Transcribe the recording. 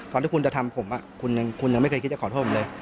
ที่คุณจะทำผมคุณยังไม่เคยคิดจะขอโทษผมเลย